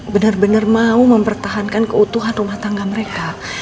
bener bener mau mempertahankan keutuhan rumah tangga mereka